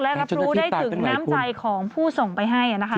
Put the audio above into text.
และรับรู้ได้ถึงน้ำใจของผู้ส่งไปให้นะคะ